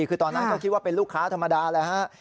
คือตอนนั้นก็คิดว่าเป็นลูกค้าธรรมดาแล้วฮะ